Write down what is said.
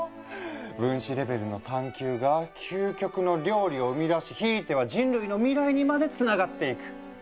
分子レベルの探究が究極の料理を生み出しひいては人類の未来にまでつながっていく。